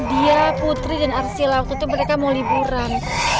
dia putri dan arsila waktu itu mereka mau liburan